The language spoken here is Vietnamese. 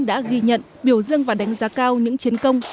đã ghi nhận biểu dương và đánh giá cao những chiến công